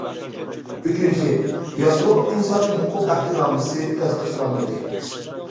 ئۈچىنچى، يادرولۇق ئىنسانىي ھوقۇق ئەھدىنامىسى تەستىقلانمىدى.